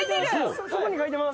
そこに書いてます。